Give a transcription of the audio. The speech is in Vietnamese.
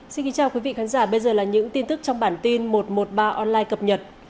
xin kính chào quý vị khán giả bây giờ là những tin tức trong bản tin một trăm một mươi ba online cập nhật